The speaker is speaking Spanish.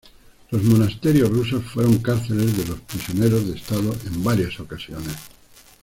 Los monasterios rusos fueron cárceles de los prisioneros de Estado en varias ocasiones.